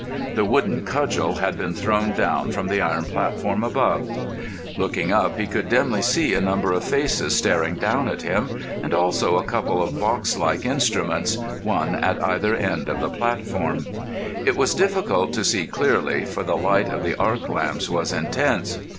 The wooden cudgel had been thrown down from the iron platform above. Looking up, he could dimly see a number of faces staring down at him, and also a couple of box like instruments, one at either end of the platform. It was difficult to see clearly, for the light of the arc lamps was intense.